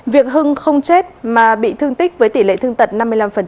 việc hưng không chết mà bị thương tích với tỷ lệ thương tật năm mươi năm